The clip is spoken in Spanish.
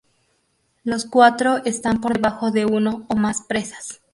Los cuatro están por debajo de uno o más presas.